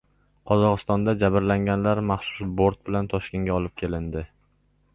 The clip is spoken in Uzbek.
Qozog‘istonda jabrlanganlar maxsus bort bilan Toshkentga olib kelindi